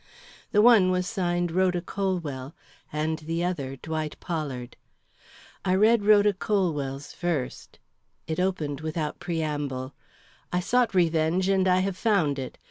The one was signed Rhoda Colwell, and the other Dwight Pollard. I read Rhoda Colwell's first. It opened without preamble: I sought revenge and I have found it.